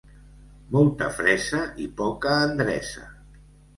Molta fressa i poca endreça.